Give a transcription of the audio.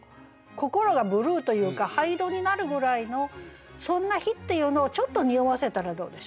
心がブルーというか灰色になるぐらいのそんな日っていうのをちょっとにおわせたらどうでしょうね。